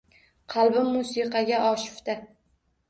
Qalbim musiqaga oshufta